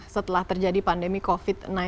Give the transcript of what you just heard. setelah terjadi pandemi covid sembilan belas